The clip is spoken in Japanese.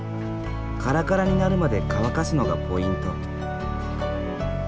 カラカラになるまで乾かすのがポイント。